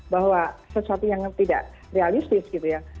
bahwa sesuatu yang tidak realistis gitu ya